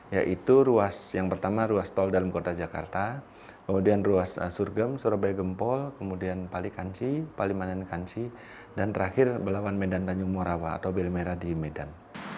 yaitu ruas yang pertama ruas tol dalam kota jakarta kemudian ruas surgem surabaya gempol kemudian palikanci palimanan kanci dan terakhir melawan medan tanjung morawa atau belmera di medan